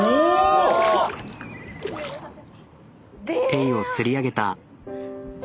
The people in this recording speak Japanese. エイを釣り上げた。